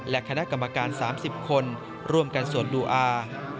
และคณะกรรมการ๓๐คนร่วมกันสวดดูอา